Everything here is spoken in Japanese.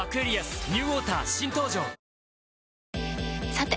さて！